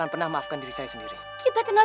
lo lepasin dia tuan nang